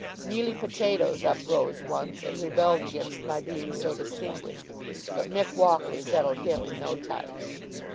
Mealy Potatoes uprose once, and rebelled against my being so distinguished; but Mick Walker settled him in no time.